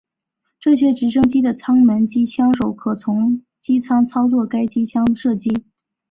这些直升机的舱门机枪手可从机舱操作该机枪射击。